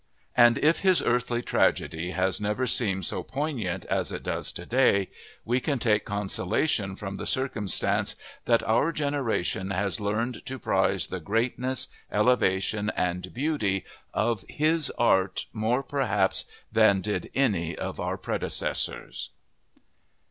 And if his earthly tragedy has never seemed so poignant as it does today, we can take consolation from the circumstance that our generation has learned to prize the greatness, elevation, and beauty of his art more, perhaps, than did any of our predecessors.